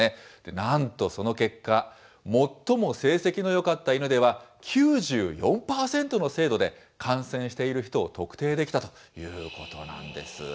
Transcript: なんとその結果、最も成績のよかった犬では、９４％の精度で感染している人を特定できたということなんです。